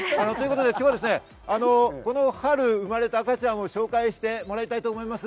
今日はこの春、生まれた赤ちゃんを紹介してもらいたいと思います。